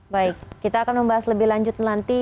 baik kita akan membahas lebih lanjut nanti